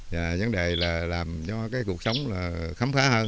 và vấn đề là làm cho cái cuộc sống là khám phá hơn